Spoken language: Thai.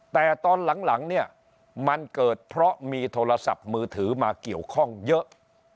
แต่ตอนหลังเนี่ยมันเกิดเพราะมีโทรศัพท์มือถือมาเกี่ยวข้องเยอะ